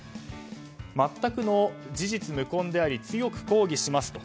全くの事実無根であり強く抗議しますと